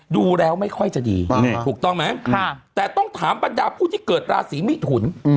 ดูแล้วไม่ค่อยจะดีถูกต้องไหมแต่ต้องถามบรรดาผู้ที่เกิดราศีมิถุน